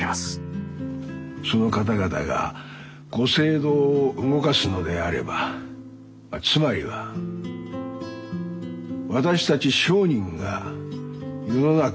その方々がご政道を動かすのであればつまりは私たち商人が世の中を動かしているということです。